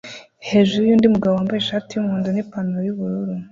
hejuru yundi mugabo wambaye ishati yumuhondo nipantaro yubururu